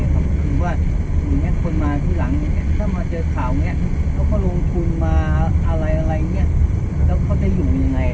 คือว่าคนมาที่หลังถ้ามาเจอข่าวเขาก็ลงทุนมาอะไรแล้วเขาจะอยู่อย่างไร